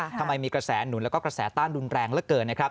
ทำไมมีกระแสหนุนแล้วก็กระแสต้านดุลแรงแล้วเกิน